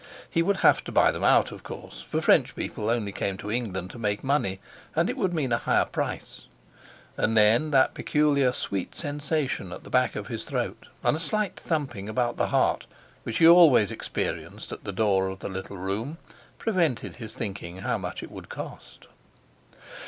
He would have to buy them out, of course, for French people only came to England to make money; and it would mean a higher price. And then that peculiar sweet sensation at the back of his throat, and a slight thumping about the heart, which he always experienced at the door of the little room, prevented his thinking how much it would cost.